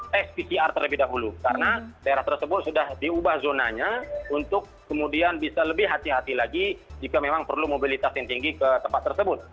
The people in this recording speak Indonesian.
tes pcr terlebih dahulu karena daerah tersebut sudah diubah zonanya untuk kemudian bisa lebih hati hati lagi jika memang perlu mobilitas yang tinggi ke tempat tersebut